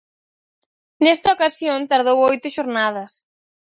Nesta ocasión tardou oito xornadas.